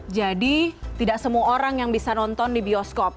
tidak semua orang yang bisa nonton di bioskop